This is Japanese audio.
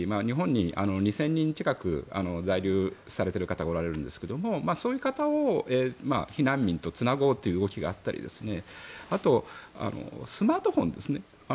日本に２０００人近く在留されている方がおられるんですがそういう方を避難民とつなごうという動きがあったりあと、スマートフォンですね